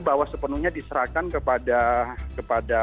bahwa sepenuhnya diserahkan kepada